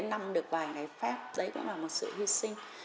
năm được vài ngày phép đấy cũng là một sự hy sinh